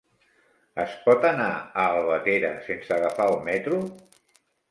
Es pot anar a Albatera sense agafar el metro?